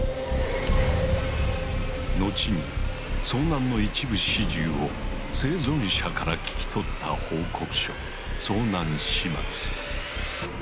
後に遭難の一部始終を生存者から聞き取った報告書「遭難始末」。